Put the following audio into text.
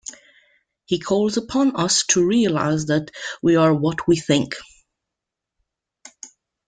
He calls upon us to realize that "we are what we think".